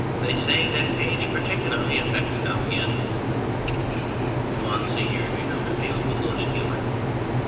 They say that age particularly affects Compiegne. MONSIEUR DE NOIRETABLE (with a little humour}.